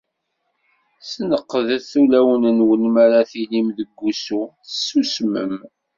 Sneqdet ulawen-nwen mi ara tilim deg wusu, tessusmem.